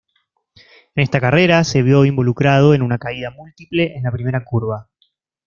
En esa carrera se vio involucrado en una caída múltiple en la primera curva.